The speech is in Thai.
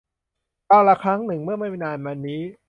กาลครั้งหนึ่ง เมื่อไม่นานมานี้